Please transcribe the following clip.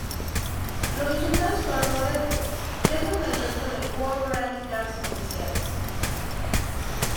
Los resultados fueron modestos, lejos del resto de World Rally Cars oficiales.